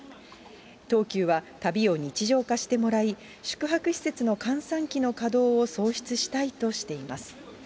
東急は、旅を日常化してもらい、宿泊施設の閑散期の稼働を創出したいとしています。